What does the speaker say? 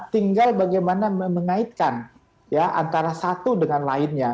tinggal bagaimana mengaitkan ya antara satu dengan lainnya